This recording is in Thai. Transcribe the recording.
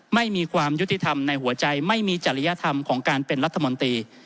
ไม่มีความยุติธรรมในหัวใจไม่มีจริยธรรมของการเป็นรัฐมนตรี